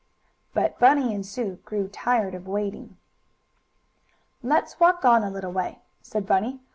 But Bunny and Sue grew tired of waiting. "Let's walk on a little way," said Bunny.